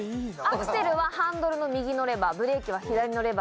アクセルはハンドルの右のレバーブレーキは左のレバーです。